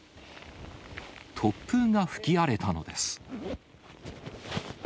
突風が吹き荒れたのです。